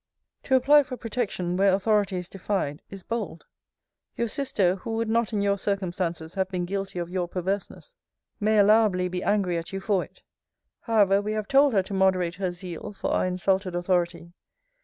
To apply for protection, where authority is defied, is bold. Your sister, who would not in your circumstances have been guilty of your perverseness, may allowably be angry at you for it. However, we have told her to moderate her zeal for our insulted authority.